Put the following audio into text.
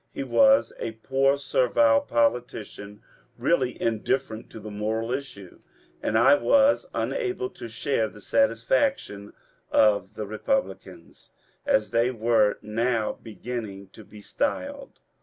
He was a poor servile politician, really indifferent to the moral issue, and I was unable to share the satisfaction of the Eepublicans, — as they were now beginning to be styled.